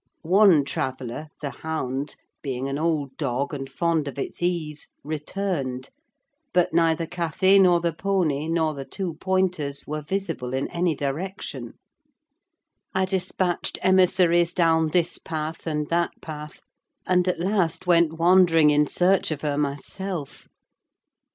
One traveller, the hound, being an old dog and fond of its ease, returned; but neither Cathy, nor the pony, nor the two pointers were visible in any direction: I despatched emissaries down this path, and that path, and at last went wandering in search of her myself.